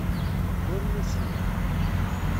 Ur nusim.